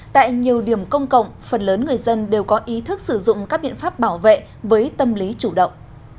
tại nhiều điểm công cộng phần lớn người dân đều có ý thức sử dụng các biện pháp bảo vệ với tâm lý chủ động